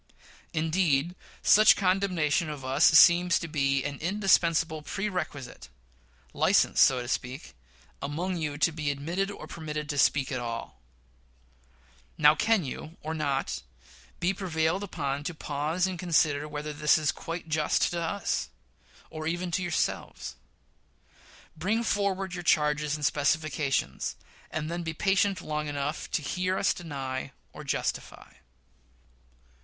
Indeed, such condemnation of us seems to be an indispensable prerequisite license, so to speak among you, to be admitted or permitted to speak at all: Now; can you, or not, be prevailed upon to pause, and to consider whether this is quite just to us, or even to yourselves? Bring forward your charges and specifications, and then be patient long enough to hear us deny or justify.